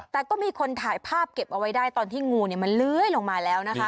แต่ก็มีคนถ่ายภาพเก็บเอาไว้ได้ตอนที่งูมันเลื้อยลงมาแล้วนะคะ